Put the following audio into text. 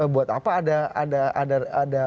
buat apa ada